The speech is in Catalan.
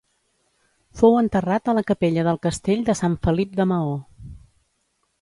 Fou enterrat a la capella del castell de Sant Felip de Maó.